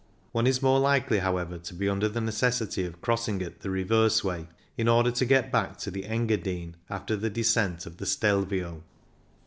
One is more likely, however, to be under the necessity of crossing it the reverse way, in order to get back to the Engadine after the descent of the Stelvio.